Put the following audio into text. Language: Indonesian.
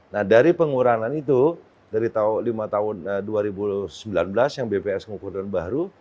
nah dari pengurangan itu dari lima tahun dua ribu sembilan belas yang bps mengukuran baru